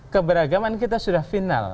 keberagaman kita sudah final